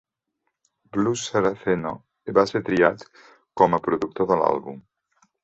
Blues Saraceno va ser triat com a productor de l'àlbum.